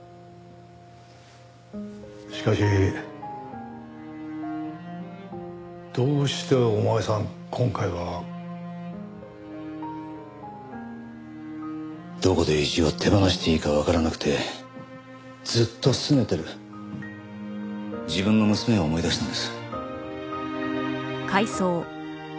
しかしどうしてお前さん今回は？どこで意地を手放していいかわからなくてずっと拗ねてる自分の娘を思い出したんです。